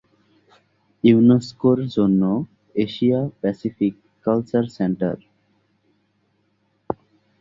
ইউনেস্কোর জন্য Asia Pacific cultural centre.